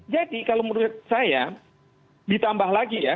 jadi kalau menurut saya ditambah lagi ya